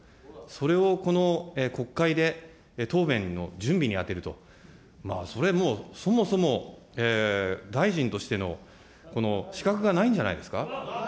それをこの国会で答弁の準備にあてると、それはそもそも大臣としての資格がないんじゃないですか。